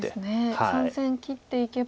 ３線切っていけば。